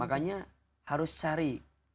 makanya harus cari